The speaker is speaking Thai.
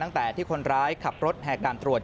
ตั้งแต่ที่คนร้ายขับรถแห่การตรวจ